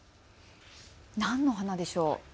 何の花でしょう？